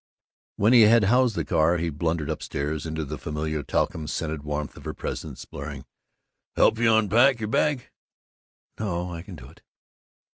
When he had housed the car he blundered upstairs, into the familiar talcum scented warmth of her presence, blaring, "Help you unpack your bag?" "No, I can do it."